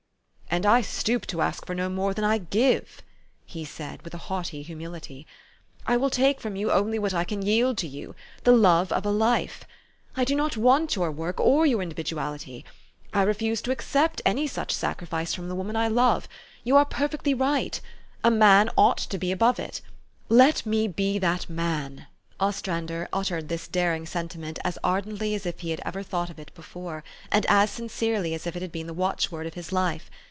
"" And I stoop to ask for no more than I give," he said with a haughty humility. u I will take from you only what I can yield to you, the love of a life. I do not want your work, or your individu ality. I refuse to accept any such sacrifice from the 196 THE STORY OP AVIS. woman I love. You are perfectly right. A man ought to be above it. Let me be that man." Os trander uttered this daring sentiment as ardently as if he had ever thought of it before, and as sincerely as if it had been the watchword of his life.